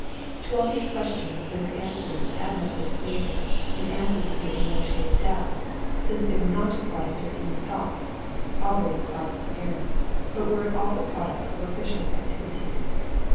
To all these questions there were answers admirably stated, and answers admitting no shade of doubt, since they were not a product of human thought, always liable to error, but were all the product of official activity.